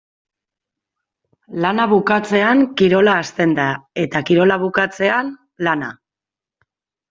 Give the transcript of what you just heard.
Lana bukatzean kirola hasten da eta kirola bukatzean lana.